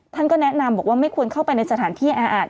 ท่านก็แนะนำบอกว่าไม่ควรเข้าไปในสถานที่แออาจ